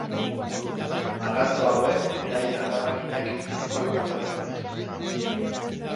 Marrazo hauek beraien harrapakinak bizkor harrapatzen dituzte.